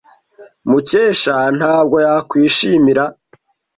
Mukesha ntabwo yakwishimira.